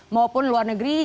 maupun luar negeri